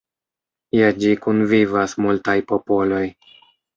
Je ĝi kunvivas multaj popoloj.